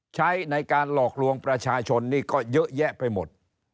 ใช้ในการหลอกลวงประชาชนนี่ก็เยอะแยะไปหมด